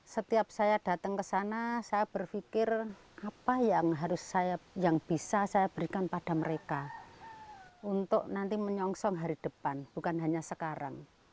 setiap saya datang ke sana saya berpikir apa yang bisa saya berikan pada mereka untuk nanti menyongsong hari depan bukan hanya sekarang